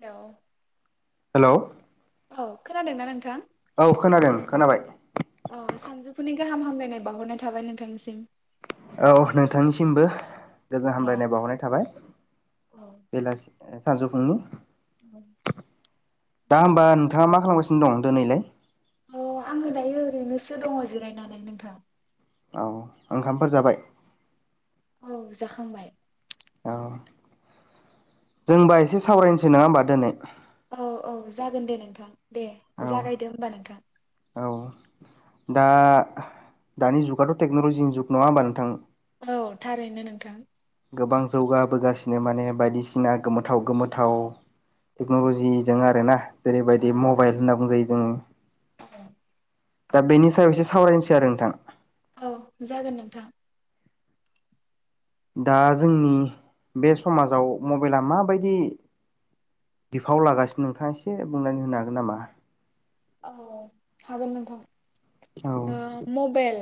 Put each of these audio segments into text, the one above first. हेल' हेल' औ खोनादोंना नोंथां औ खोनादों खोनाबाय औ सानजौफुनि गाहाम हामलायनाय बावहरनाय थाबाय नोंथांनिसिम औ नोंथांनिसिमबो गोजोन अ हामलायनाय बावरनाय थाबाय औ बेलासि साजौ [unintelligible] दा होमबा नोंथाङा मा खालामगासिनो? दं दोनैलाय? अ आङो दायो ओरैनोसो दङ जिरायनानै नोंथां औ ओंखामफोर जाबाय? औ जाखांबाय औ जों होबा एसे सावरायनिसै नङा ओमबा दोनै औ औ जागोनदे नोंथां दे औ जागायदो होमबा नोंथां औ दा दानि जुगाथ' टेक्न'लजिनि जुग नङा होमबा नोंथां औ थारैनो नोंथां गोबां जौगाबोगासिनो माने बायदिसिना गोमोथाव गोमोथाव टेक्न'लजिजों आरोना जेरैबायदि औ मबाइल होनना बुंजायो दोङो औ [inaudible] दा बेनि सायाव एसे सावरायनिसै आरो नोंथां औ जागोन नोंथां दा जोंनि बे समाजाव मबाइला माबायदि बिफाव लागासिनो नोंथाङा एसे बुंनानै होनो हागोन नामा औ हागोन औ नोंथां ओ मबेल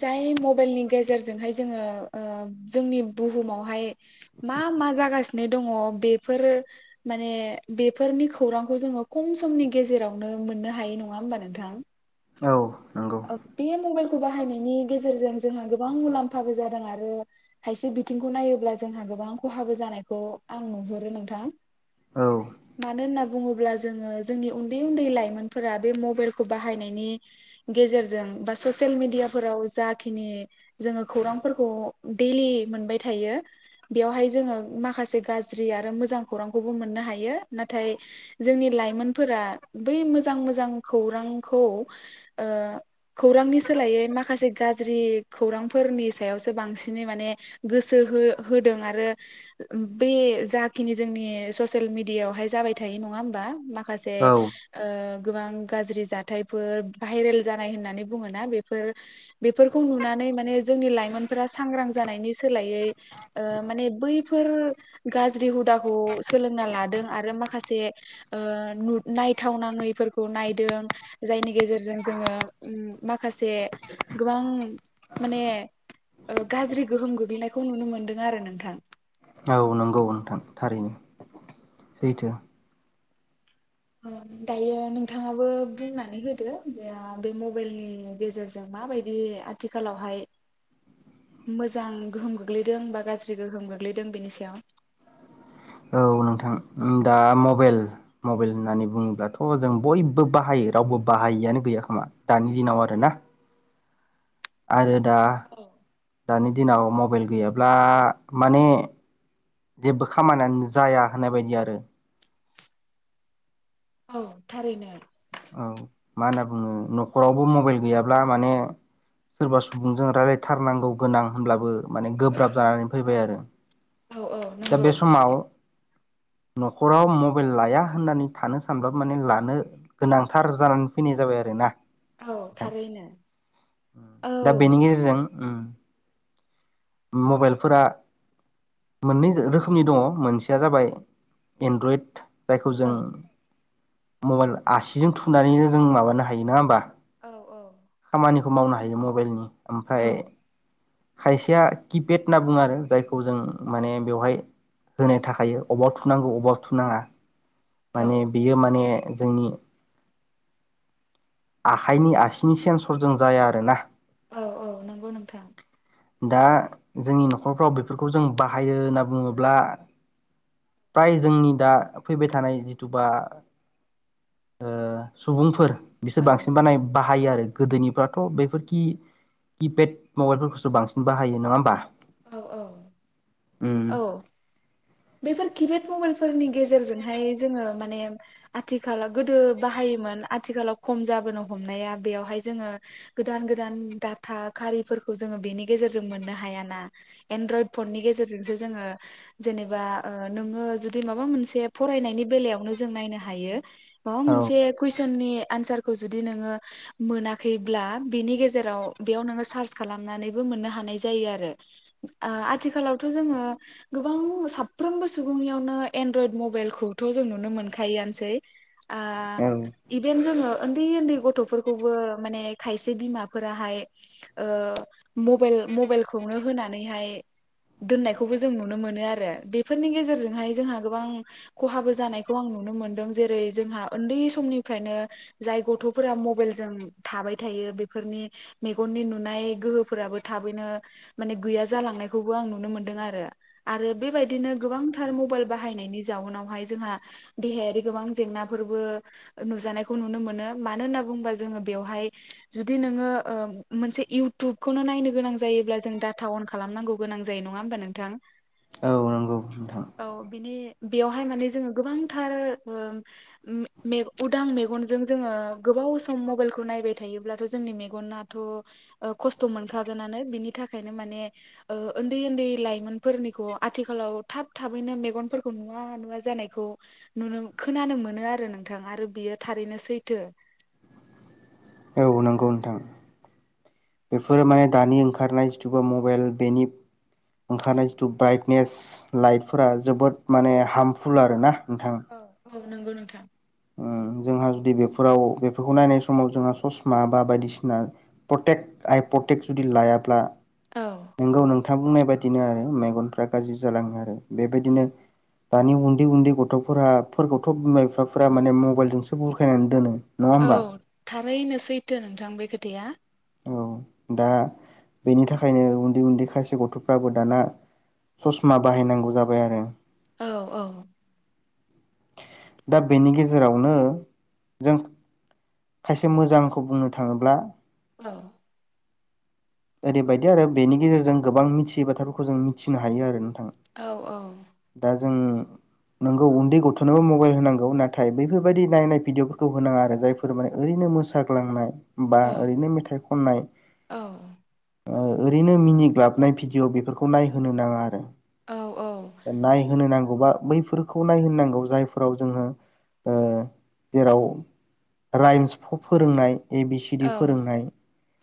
जाय मबाइलनि गेजेरजोंहाय जोङो ओ जोंनि बुहुमावहाय मा मा जागासिनो दङ बेफोर माने बेफोरनि खौरांखौ जोङो खम समनि गेजेराव नो मोननो हायो नङा होमबा नोंथां? औ नंगौ आब बेयो मबाइल बाहायनायनि गेजेरजों जोंहा गोबां मुलाम्फाबो जादों आरो खायसे बिथिंखौ नायोब्ला जोंहा गोबां खहाबो जानायखौ आं नुहुरो नोंथां औ मानोना बुङोब्ला जोङो जोंनि उन्दै उन्दै लाइमोनफोरा बे मबाइलखौ बाहायनायनि गेजेरजों बा ससियेल मेडियाफोराव जाखिनि जोङो खौरांफोरखौ देलि मोनबाय थायो बेयावहाय जोङो माखासे गाज्रि आरो मोजां खौरांखौबो मोननो हायो नाथाय जोंनि लाइमोनफोरा बै मोजां मोजां खौरांखौ ओ खौरांनि सोलायै माखासे गाज्रि खौरांफोरनि सायावसो बांसिनै माने गोसो हो-होदों आरो बे जाखिनि जोंनि ससियेल मेडियायावहाय जाबाय थायो नङा होमबा माख खासे औ ओ गोबां गाज्रि जाथायफोर भाइरेल जानाय होननानै बुङोना बेफोर बेफोरखौ नुनानै माने जोंनि लाइमोनफोरा सांग्रां जानायनि सोलाय यै ओ माने बै फोर गाज्रि हु हुदाखौ सोलोंना लादों आरो माखासे ओ नु नायथावनाङैफोरखौ नायदों जायनि गेजेर जों जोङो उम माखासे गोबां माने ओ गाज्रि गोहोम गोग्लैनायखौ नुनो मोनदों आरो नोंथां औ नंगौ नोंथां थारैनो सैथो ओम दायो नोंथाङाबो बुंनानै होदो बे आ बे मबाइलनि गेजेरजों माबायदि आथिखालावहाय मोजां गोहोम गोग्लैदों बा गाज्रि गोहोम गोग्लैदों बेनि सायाव औ नोंथां दा मबेल मबेल होननानै बुङोब्लाथ' जों बयबो बाहायो रावबो बाहायिआनो गैया खोमा दानि दिनाव आरोना आरो दा औ दानि दिनाव मबाइल गैयाब्ला माने जेबो खामानियानो जाया होननाय बायदि आरो औ थारैनो औ मा होनना बुङो न'खरावबो मबाइल गैयाब्ला माने सोरबा सुबुंजों रायलायथारनांगौ गोनां होनब्लाबो माने गोब्राब जानानै फैबाय आरो औ औ दा नंगौ बे समाव न'खराव मबाइल लाया होननानै थानो सानब्ला माने लानो गोनांथार जानानै फैनाय जाबाय आरो ना औ थारैनो औ दा बेनि गेजेरजों उम मबाइलफोरा मोननै रोखोमनि दङ मोनसेया जाबाय एन्ड्रइड जायखौ औ जों मबाइल आसिजों थुनानैनो जों माबानो हायो नङा होमबा औ औ खौ मावनो हायो मबाइलनि ओमफ्राय खायसेया किपेड होनना बुङो आरो जायखौ जों माने बेवहाय होनाय थाखायो अबाव थुनांगौ अबाव थुनाङा माने औ बियो माने जोंनि आखाइनि आसिनि सेन्सरजों जाया आरोना औ औ नंगौ नोंथां दा जोंनि न'खरफ्राव बेफोरखौ जों बाहायो होनना बुङोब्ला फ्राय जोंनि दा फैबाय थानाय जिथुबा ओ सुबुंफोर बिसोर औ बांसिन बानायनाय बाह थायो आरो गोदोनिफ्राथ' बेफोरखि किपेड मबाइलफोरखौसो बांसिन बाहायो नङा होमबा औ औ औ बेफोर किपेद मबाइलफोरनि गेजेरजोंहाय जोङो मान ने आथिखालाव गोदो बाहायोमोन आथ थिखालाव खम जोनो हमनाया बेयावहाय जोङो गोदान गोदान डाटा खारिफोरखौ जोङो बेनि गेजेरजों मोननो हाया ना एनड्रयद फननि गेजेरजोंसो जोङो जेनेब बा ओ नोङो जुदि माबा मोनसे फरायनायनि बेलायावनो जों नायनो हायो माबा मोनसे औ कुइसननि एनसार खौ जुदि नोङो मोनाखैब्ला बिनि गेजेराव बेयाव नोङो सार्च खालामनानैबो मोननो हानाय जायो आरो आथिखालावथ' जोङो गोबां साब साफ्रोमबो सुबुंनियावनो एनड्रयड मबाइल खौथ' जों नुनो मोनखायोआनोसै इभेन जोङो ओन्दै ओन्दै गथ'फोरखौबो माने खायसे बिमाफोराहाय ओ मबाइल मबाइलखौनो होनानैहाय दोननायखौबो जों नुनो मोनो आरो बे फोरनि गेजेरजोंहाय जोंहा गोबां खहाबो जानायखौ आं नुनो मोनदों जेरै जोंहा ओन्दै समनिफ्रायनो जाय गथ'फोरा मबाइलजों थाबाय थायो बेफोरनि मेगननि नुनाय गोहोफोराबो थाबैनो माने गैया जालांनायखौबो आं नुनो मोनदों आरो आरो बेबायदि दिनो गोबांथार मबाइल बाहायनायनि जाउनावहाय जोंहा देहायारि गोबां जेंनाफोरबो नुजानायखौ नुनो मोनो मानो होनना बुंङोबा जोङो बेवहाय जुदि नोङो ओ मोनसे इउथुबखौनो नायनो गोनां जायोब्ला जों डाटा अन खालामनांगौ गोनां जायो नङा होमबा नोंथां? औ नंगौ नोंथां औ बिनि बेयावहाय माने जोङो गोबांथार ओ उम उदां मेगनजों जोङो गोबाव सम मबाइलखौ नायबाय थायोब्लाथ' जोंनि मेगनाथ' खस्थ' मोनखागोनानो बिनि थाखायनो माने ओ उन्दै उन्दै लाइमोनफोरनिखौ आथिखालाव थाब थाबैनो मेगनफोरखौ नुवा नुवा जानायखौ नुनो खोनानो मोनो आरो नोंथां आरो बियो थारैनो सैथो। औ नंगौ नोंथां बेफोरो माने दानि ओंखारनाय जिथुबा मबाइल बेनि ओंखारनाय जिथु ब्राइटनेस लाइटफोरा जोबोद माने हार्मफुल आरो ना नोंथां। नोंगौ नोंथां। ओ जोंहा जुदि बेफोराव बेफोरखौ नायनाय समाव जोंहा ससमा बा बायदिसिना प्रटेक्ट आइ प्रटेकट जुदि लायाब्ला औ नोंगौ नों थां बुंनाय बादिनो आरो मेगनफ्रा गाज्रि जालाङो आरो। औ बेबायदिनो दानि उन्दै उन्दै गथ'फोरा फोरखौथ' बिमा बिफाफोरा माने मबाइलजोंसो बुखायनानै दोनो। नङा औ होमबा थारैनो सैथो नोंथां बे खोथ थाया। औ दा बेनि थाखायनो उन्दै उन्दै खायसे गथ'फ्राबो दाना ससमा बाहायनांगौ जाबाय आरो। औ औ दा बेनि गेजेरावनो जों खायसे मोजांखौ बुंनो थाङोब्ला औ ओरैबायदि आरो बेनि गेजेरजों गोबां मिथियै बाथ्राफोरखौ जों मिथिनो हायो आरो नों औ औ जों नोंगौ उन्दै गथ'नोबो मबाइल होनांगौ नाथाय बैफोरबायदि नायनाय भिडिअफोरखौ होनाङा आरो जायफोर माने ओरैनो मोसाग्लांनाय बा औ ओरैनो मेथाइ खननाय औ ओरैनो मिनिग्लाबनाय भिडिअ' बेफोरखौ नायहोनो नाङा आरो। औ नायहोनो नां बा बैफोरखौ नायहोनांगौ जायफोराव जोङो जेराव राइम्स फ फोरोंनाय ए बि सिडि फोरोंनाय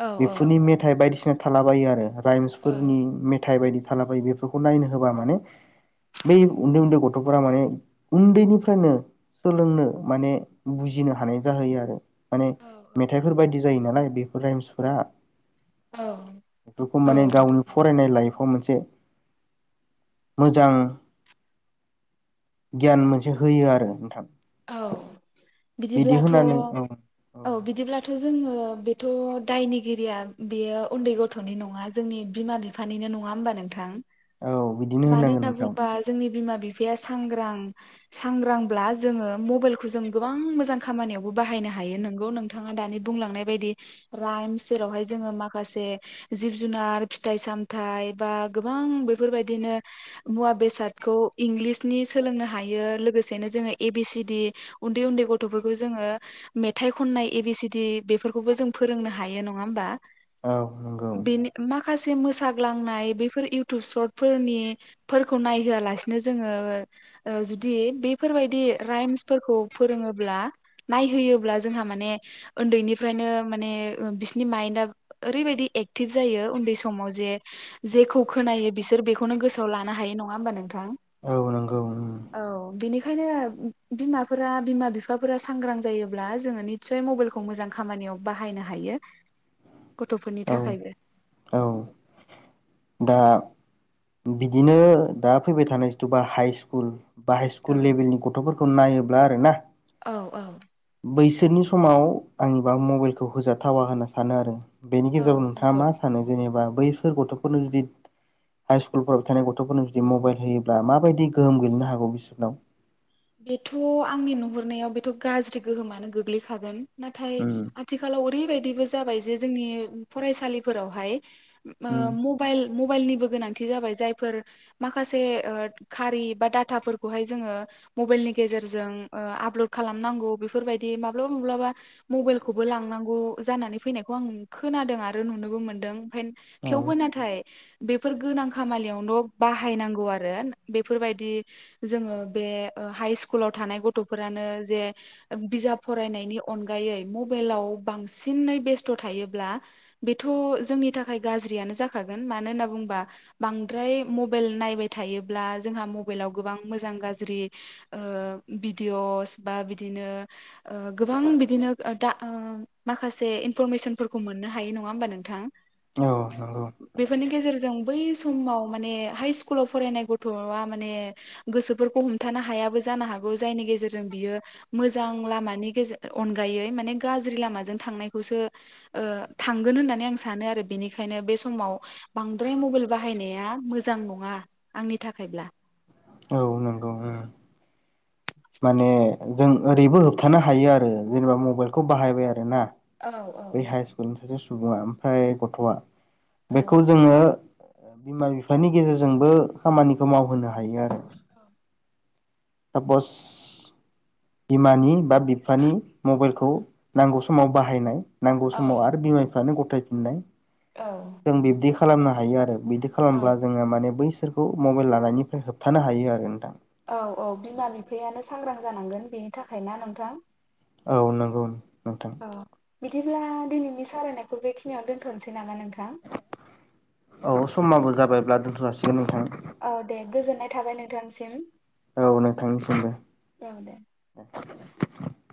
औ बेफोरनि मेथ बायदिसिना थालाबायो आरो। प्राइमसफोरनि मे थाइ बायदि थालाबायो बेफोरखौ नायनो होबा माने बै उन्दै उन्दै गथ'फोरा माने उन्दैनिफ्रायनो सोलोंनो माने बुजिनो हानाय जाहैयो आरो। माने औ मेथाइफोर बायदि जायो नालाय बेफोर राइम्सफोरा। औ बेफोरखौ औ माने गावनि फरायनाय लाइफ खौ मोनसे मोजां गियान मोनसे होयो आरो नोंथां। औ। बिदि बिदिब्लाथ' होनानै औ औ बिदिब्लाथ' जोङो बेथ' दायनिगिरिया बेयो उन्दै गथ'नि नङा जोंनि बिमा बिफानिनो नङा होमबा नोंथां। औ बिदिनो मानो होननांगोन होनना नोंथां बुंबा जोंनि बिमा बिफाया सांग्रां सांग्रांब्ला जोङो मबाइलखौ जों गोबां मोजां खामानियावबो बाहायनो हायो नोंगौ नोंथाङा दानि बुंलांनाय बायदि राइमस जेरावहाय जोङो माखासे जिब जुनार फिथाइ सामथाइ बा गोबां बेफोरबायदिनो मुवा बेसादखौ इंलिसनि सोलोंनो हायो लोगोसेनो जोङो ए ए बि सि डि उन्दै उन्दै गथ'फोरखौ जोङो मेथाइ खननाय ए बि सि डि बेफोरखौबो जों फोरोंनो हायो नङा होमबा। औ नोंगौ। खासे मोसाग्लांनाय बेफोर इउटुब सरट फोरनि फोरखौ नायहोआलासिनो जोङो ओ जुदि बेफोरबाय दि राइमसफोरखौ फोरोङोब्ला नायहोयोब्ला जोंहा माने ओन्दैनिफ्रायनो माने ओ बिसिनि माइन्दआ ओ ओरैबायदि एक्टिभ जायो उन्दै समाव जे जेखौ खोनायो बिसोर बेखौनो गोसोआव लानो हायो नङा होमबा नोंथां। नंगौ उम औ बिनि खायनो। बिमाफोरा बिमा बिफाफोरा सांग्रां जायोब्ला जोङो नितसय मबाइलखौ मोजां खामानियाव बाहायनो हायो। गथ'फोरनि औ थाखायबो औ दा बिदिनो दा फैबाय थानाय जिथुबा हाइ स्कुल बा हाइ औ सकु लेभेलनि गथ'फोर खौ नायोब्ला आरोना। औ औ। बैसोरनि समाव आंनिबा मबाइलखौ होजाथावा होनना सानो आरो। बेनि औ गेजेराव नोंथाङा नंगौ। मा सानो जेनेबा बैफोर गथ'फोरनो जुदि हाइ स्कुलफोराव थानाय गथ'फोरनो जुदि मबाइल होयोब्ला माबायदि गोहोम गोलैनो हागौ बिसोरनाव? बेथ' आंनि नुहुरनायाव बेथ' गाज्रि गोहोमानो गोग्लैखागोन। नाथाय उम आथिखालाव ओरैबाय बेबो जाबाय जे जोंनि फरायसालिफोरावहाय उम ओ मबाइल मबाइलनिबो गोनांथि जाबाय जायफोर माखासे ओ खारि बा डाटाफोरखौहाय जोङो मबाइलनि गेजेरजों ओ आपलड खालामनांगौ बेफोरबायदि माब्लाबा-माब्लाबा मबाइलखौबो लांनांगौ जानानै फैनायखौ आं खोनादों आरो नुनोबो मोनदों। फेन औ थेवबो नाथाय। बेफोर गोनां खामालियावल' बाहायनांगौ आरो बेफोरबायदि जोङो बे ओ हाइ स्कुलाव थानाय गथ'फोरानो जे बिजाब फरायनायनि अनगायै मबाइलाव बांसिनै बेस्थ' थायोब्ला बेथ' जोंनि थाखाय गाज्रियानो जाखागोन मानो होनना बुंङोबा बांद्राय मबाइल नायबाय थायोब्ला जोंहा मबाइलाव गोबां मोजां गाज्रि ओ भिडिअस बा बिदिनो ओ गोबां बिदिनो दा ओ माखासे इनफरमेसनफोरखौ मोननो हायो नङा होमबा नोंथां। औ नंगौ बेफोरनि गेजेरजों बै समाव माने हाइ स्कुलाव फरायनाय गथ'आ माने गोसोफोरखौ [unintelligible] होबथानो हायाबो जानो हागौ जायनि गेजेरजों बियो मोजां लामानि गेजे अनगायै माने गाज्रि लामाजों थांनायखौसो ओ थांगोन होननानै आं सानो आरो बेनिखायनो बे समाव बांद्राय मबाइल बाहायनाया मोजां नङा आंनि थाखायब्ला। औ नंगौ उम माने जों ओरैबो होबथानो हायो आरो जेनेबा मबाइलखौ बाहायबाय आरोना औ बै हाइ स्कुलनि सासे सुबुङा ओमफ्राय गथ'आ औ बेखौ जोङो बिमा-बिफानि गेजेरजोंबो खामानिखौ मावहोनो [unintelligible] हायो आरो। [unintelligible] बिमानि बा बिफानि मबाइलखौ नांगौ समाव बाहायनाय नांगौ समाव आरो बिमा बिफानो [unintelligible] फिथाय फिनाय औ जों बिबदि खालामनो हायो आरो। बिदि औ खालामब्ला जोङो माने बै सोरखौ मबाइल लानायनिफ्राय होबथानो हायो आरो नोंथां। औ औ बिमा बिफायानो सांग्रां जानांगोन बेनि थाखायना नोंथां। औ नंगौ। नोंथां औ बिदिब्ला दिनैनि सावरायनायखौ बेखिनियाव दोनथ'नोसै नामा [unintelligible] औ समाबो जाबाय। [unintelligible] दोनथ'नो जासिगोन नोंथां। औ दे गोजोननाय थाबाय नोंथांसिम। औ नोंथांनिसिमबो। औ दे।